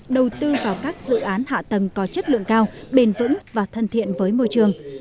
đầu tư vào các dự án hạ tầng có chất lượng cao bền vững và thân thiện với môi trường